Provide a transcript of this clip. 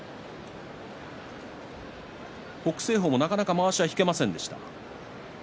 北青鵬も、なかなかまわしが引けませんでした。